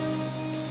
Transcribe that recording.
jalan dulu ya